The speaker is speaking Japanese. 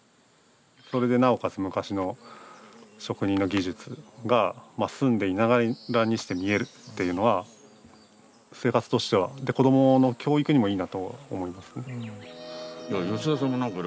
それでなおかつ昔の職人の技術が住んでいながらにして見えるというのは生活としては子どもの教育にもいいなと思います。